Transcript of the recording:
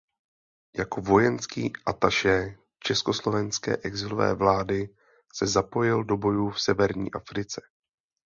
Jako vojenský atašé československé exilové vlády se zapojil do bojů v Severní Africe.